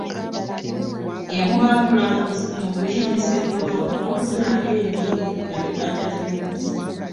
Eyamubangula mu kuyimbisa eggono n’okuzina ng’enje yali Hajati Lunkuse.